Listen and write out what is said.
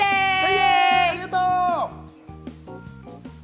ありがとう！